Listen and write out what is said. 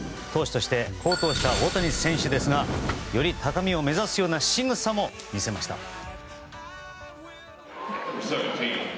投手として好投した大谷選手ですがより高みを目指すようなしぐさも見せました。